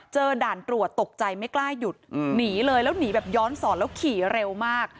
ด่านตรวจตกใจไม่กล้าหยุดหนีเลยแล้วหนีแบบย้อนสอนแล้วขี่เร็วมาก